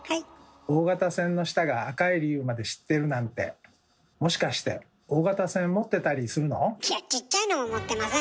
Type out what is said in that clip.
大型船の下が赤い理由まで知ってるなんていやちっちゃいのも持ってません。